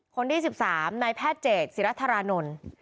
คนที่๑๓นายแพทย์เจตศิรธารานนท์